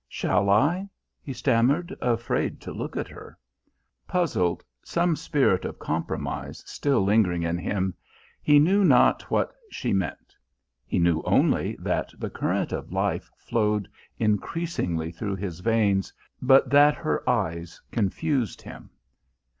"Shall I?" he stammered, afraid to look at her. Puzzled, some spirit of compromise still lingering in him, he knew not what she meant; he knew only that the current of life flowed increasingly through his veins, but that her eyes confused him.